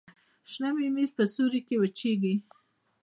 شنه ممیز په سیوري کې وچیږي.